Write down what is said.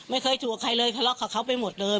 ไม่เคยถูกกับใครเลยทะเลาะกับเขาไปหมดเลย